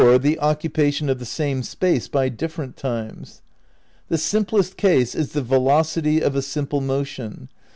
. the occupation of the same space by different times. The simplest case is the velocity of a simple motion